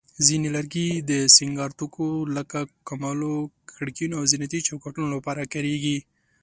ځینې لرګي د سینګار توکو لکه کملو، کړکینو، او زینتي چوکاټونو لپاره کارېږي.